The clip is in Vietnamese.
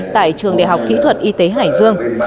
tại trường đại học kỹ thuật y tế hải dương